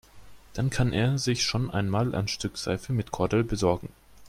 Dann kann er sich schon einmal ein Stück Seife mit Kordel besorgen.